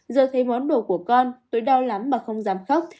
giờ thấy món đồ của con tôi đau lắm mà không dám khóc